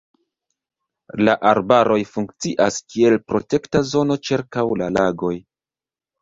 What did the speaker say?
La arbaroj funkcias kiel protekta zono ĉirkaŭ la lagoj.